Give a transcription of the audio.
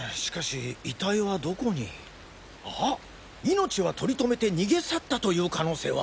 命はとりとめて逃げ去ったという可能性は？